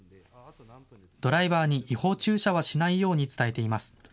ドライバーに違法駐車はしないように伝えています。